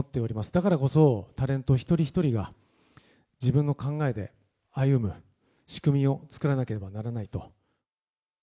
だからこそ、タレント１人１人が自分の考えで歩む仕組みを作らなければならないと。